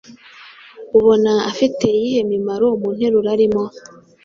Ubona afite iyihe mimaro mu nteruro arimo?